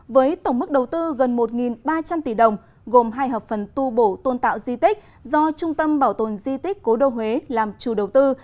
với tổng mức đầu tư gần một ba trăm linh tỷ đồng gồm hai hợp phần tu bổ tôn tạo di tích do trung tâm bảo tồn di tích cố đô huế làm chủ đầu tư